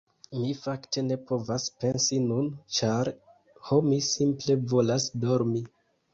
Mi fakte ne povas pensi nun, ĉar... ho mi simple volas dormi.